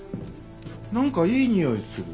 なんかいいにおいする。